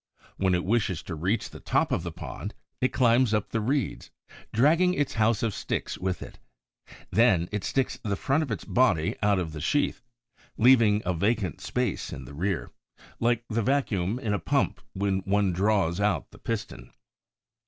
When it wishes to reach the top of the pond, it climbs up the reeds, dragging its house of sticks with it; then it sticks the front of its body out of the sheath, leaving a vacant space in the rear, like the vacuum in a pump when one draws out the piston.